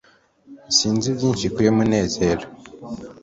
sinzi byinshi kuri munezero